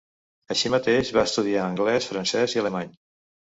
Així mateix, va estudiar anglès, francès i alemany.